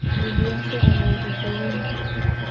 Bibi yake ana watoto wengi